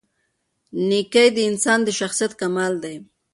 نېکي د انسان د شخصیت کمال دی.